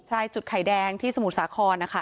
ใช่จุดไข่แดงที่สมุทรสาครนะคะ